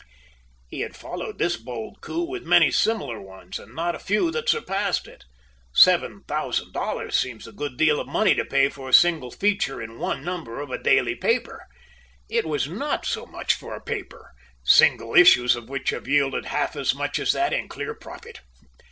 He has followed this bold coup with many similar ones, and not a few that surpassed it. Seven thousand dollars seems a good deal of money to pay for a single feature of one number of a daily paper. It was not so much for a paper, single issues of which have yielded half as much as that in clear profit.